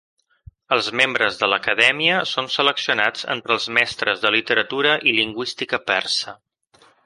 Els membres de l'acadèmia són seleccionats entre els mestres de literatura i lingüística persa.